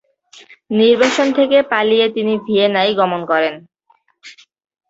নির্বাসন থেকে পালিয়ে তিনি ভিয়েনায় গমন করেন।